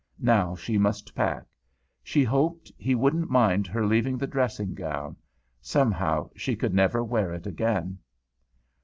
Now she must pack. She hoped he wouldn't mind her leaving the dressing gown; somehow, she could never wear it again.